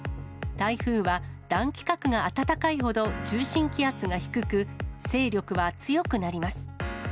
台風は暖気核が暖かいほど中心気圧が低く、勢力は強くなります。